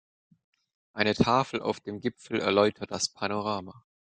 Eine Tafel auf dem Gipfel erläutert das Panorama.